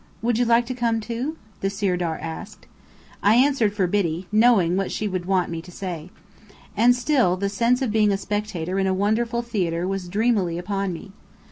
"Would you like to come, too?" the Sirdar asked. I answered for Biddy, knowing what she would want me to say. And still the sense of being a spectator in a wonderful theatre was dreamily upon me.